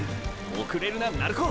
遅れるな鳴子！